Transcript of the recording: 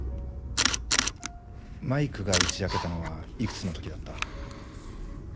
マイクが打ち明けたのはいくつの時だった？